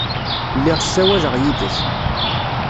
Lliɣ ssawaleɣ yid-k.